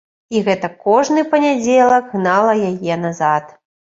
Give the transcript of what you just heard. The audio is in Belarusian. І гэта кожны панядзелак гнала яе назад.